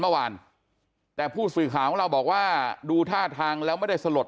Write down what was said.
เมื่อวานแต่ผู้สื่อข่าวของเราบอกว่าดูท่าทางแล้วไม่ได้สลด